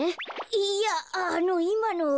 いやあのいまのは。